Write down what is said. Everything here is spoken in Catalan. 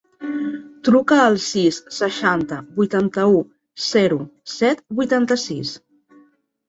Truca al sis, seixanta, vuitanta-u, zero, set, vuitanta-sis.